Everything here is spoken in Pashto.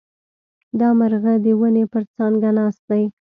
دا مرغه د ونې پر څانګه ناست دی.